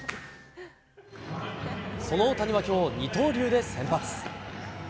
その大谷はきょう、二刀流で先発。